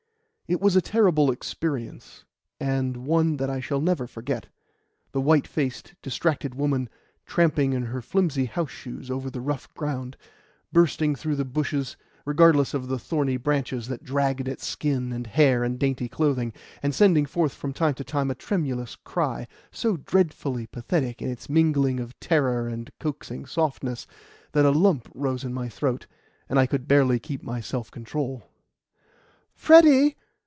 It was a terrible experience, and one that I shall never forget the white faced, distracted woman, tramping in her flimsy house shoes over the rough ground, bursting through the bushes, regardless of the thorny branches that dragged at skin and hair and dainty clothing, and sending forth from time to time a tremulous cry, so dreadfully pathetic in its mingling of terror and coaxing softness, that a lump rose in my throat, and I could barely keep my self control. "Freddy!